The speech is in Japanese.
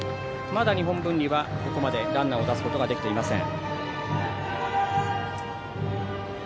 まだ日本文理はここまでランナーを出すことができていません。